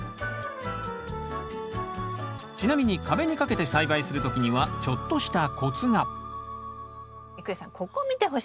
ちなみに壁に掛けて栽培する時にはちょっとしたコツが郁恵さんここ見てほしいんですよ。